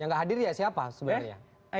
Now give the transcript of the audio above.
yang gak hadir ya siapa sebenarnya